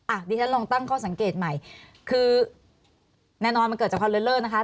ดิฉันลองตั้งข้อสังเกตใหม่คือแน่นอนมันเกิดจากความเลิศนะคะ